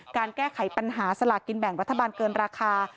การแก้ไขปัญหาสลากกินแบ่งรัฐบาลเกินราคา